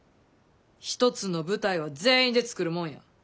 一つの舞台は全員で作るもんや。